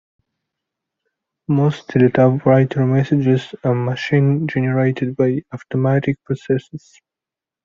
Most teletypewriter messages are machine-generated by automatic processes.